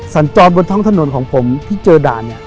สั่นจอดบนท่องถนนของผมที่เจอด่าน